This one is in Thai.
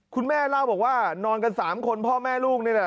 คุณแม่เล่าบอกว่านอนกัน๓คนพ่อแม่ลูกนี่แหละ